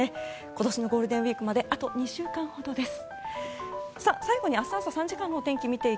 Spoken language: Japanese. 今年のゴールデンウィークまであと２週間ほどです。